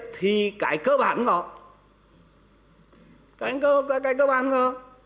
thì cái cơ bản có cái cơ bản có